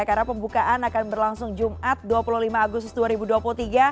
karena pembukaan akan berlangsung jumat dua puluh lima agustus dua ribu dua puluh tiga